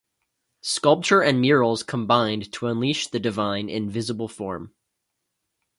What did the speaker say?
Sculpture and murals combined to unleash the divine in visible form.